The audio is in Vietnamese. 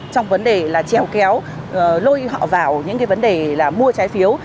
trong vấn đề là treo kéo lôi họ vào những cái vấn đề là mua trái phiếu